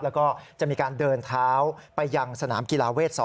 แล้วก็จะมีการเดินเท้าไปยังสนามกีฬาเวท๒